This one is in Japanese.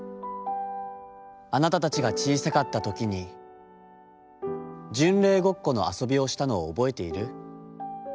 『あなたたちが小さかった時に、『巡礼ごっこ』の遊びをしたのを覚えている？